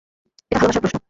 এটা ভালোবাসার প্রশ্ন।